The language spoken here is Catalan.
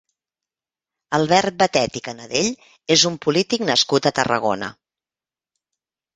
Albert Batet i Canadell és un polític nascut a Tarragona.